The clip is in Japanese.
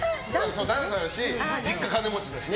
ダンスあるし実家金持ちだしね。